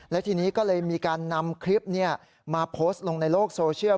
และทีนี้ก็เลยมีการนำคลิปมาโพสต์ลงในโลกโซเชียล